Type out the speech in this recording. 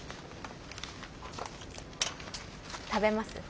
食べます？